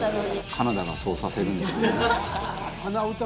カナダがそうさせるんですよ。